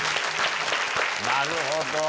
なるほど。